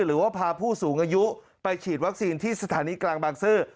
หรือว่าพาผู้สูงอายุไปฉีดวัคซีนที่สถานีกลางบางซื่อ